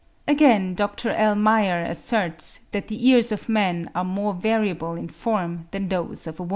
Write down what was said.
Again, Dr. L. Meyer asserts that the ears of man are more variable in form than those of a woman.